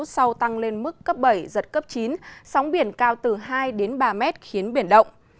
sau tăng lên mức cấp bảy giật cấp chín sóng biển cao từ hai đến ba mét khiến biển động